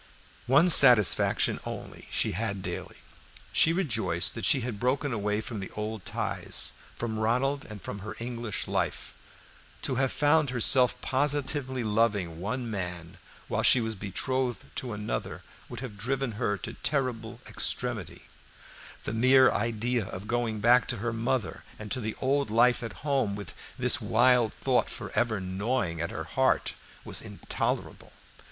One satisfaction only she had daily. She rejoiced that she had broken away from the old ties, from Ronald and from her English life. To have found herself positively loving one man while she was betrothed to another would have driven her to terrible extremity; the mere idea of going back to her mother and to the old life at home with this wild thought forever gnawing at her heart was intolerable.